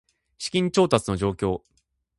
資金調達の状況